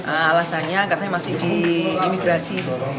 alasannya katanya masih di imigrasi